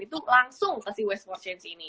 itu langsung ke si waste empat chains ini